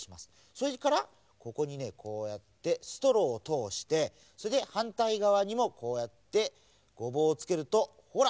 それからここにねこうやってストローをとおしてそれではんたいがわにもこうやってゴボウをつけるとほら！